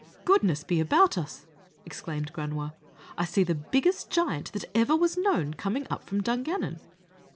"Goodness be about us!" exclaimed Granua, "I see the biggest giant that ever was known coming up from Dungannon."